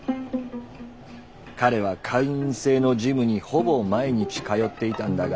彼は会員制のジムにほぼ毎日通っていたんだが。